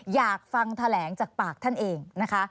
อยากฟังแถลงจากปากท่านเองนะคะ